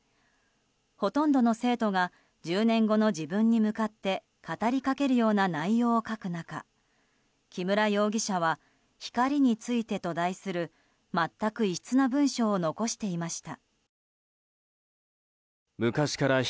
ほとんどの生徒が１０年後の自分に向かって語りかけるような内容を書く中木村容疑者は「光について」と題する全く異質な文章を残していました。